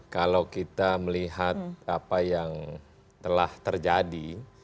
kalau kita melihat apa yang telah terjadi